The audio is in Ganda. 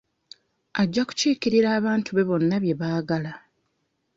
Ajja kukiikirira abantu be bonna bye baagala.